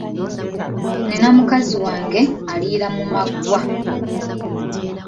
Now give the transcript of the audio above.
Nina mukazi wange aliira mu maggwa